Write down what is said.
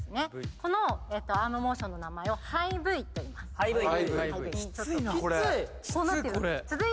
このアームモーションの名前をハイブイといいますハイブイキツい